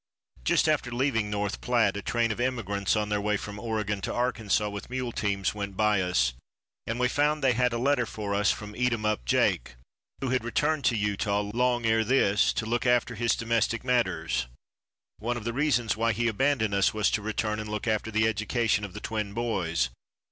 Just after leaving North Platte, a train of immigrants on their way from Oregon to Arkansas with mule teams went by us, and we found they had a letter for us from Eatumup Jake, who had returned to Utah long ere this to look after his domestic matters. One of the reasons why he abandoned us was to return and look after the education of the twin boys.